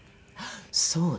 そうだ！